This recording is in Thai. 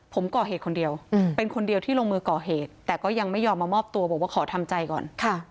ผมก่อเหตุคนเดียวเป็นคนเดียวที่ลงมือก่อเหตุแต่ก็ยังไม่ยอมมามอบตัวบอกว่าขอทำใจก่อน